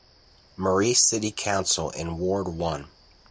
Marie City Council in Ward One.